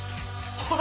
ほら。